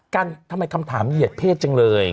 กันทำไมคำถามเหยียดเพศจังเลย